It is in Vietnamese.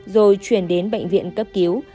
rồi chuyển đến bệnh viện cấp cứu